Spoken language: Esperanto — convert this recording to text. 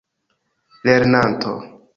lernanto